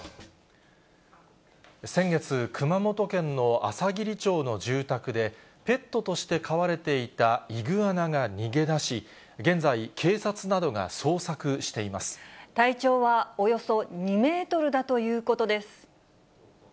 先月、熊本県のあさぎり町の住宅で、ペットとして飼われていたイグアナが逃げ出し、現在、警察などが体長はおよそ２メートルだということです。